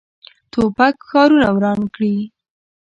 توپک ښارونه وران کړي.